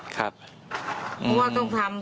เพราะว่าต้องทำ